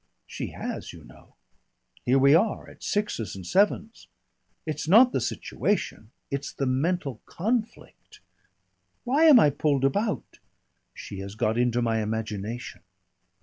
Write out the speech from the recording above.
She has, you know. Here we are at sixes and sevens! It's not the situation, it's the mental conflict. Why am I pulled about? She has got into my imagination.